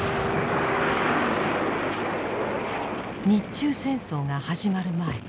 日中戦争が始まる前